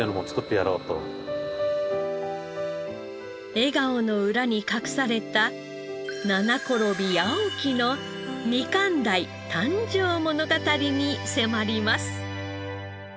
笑顔の裏に隠された七転び八起きのみかん鯛誕生物語に迫ります。